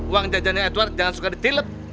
uang jajannya edward jangan suka ditilep